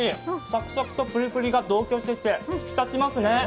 サクサクとプリプリが同居してて引き立ちますね。